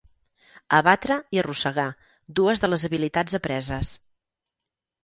Abatre i arrossegar, dues de les habilitats apreses.